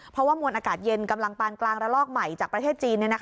เพราะว่ามวลอากาศเย็นกำลังปานกลางระลอกใหม่จากประเทศจีน